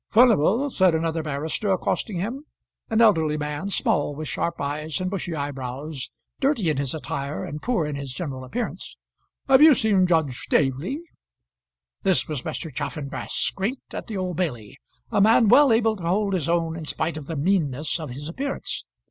"Furnival," said another barrister, accosting him, an elderly man, small, with sharp eyes and bushy eyebrows, dirty in his attire and poor in his general appearance, "have you seen Judge Staveley?" This was Mr. Chaffanbrass, great at the Old Bailey, a man well able to hold his own in spite of the meanness of his appearance.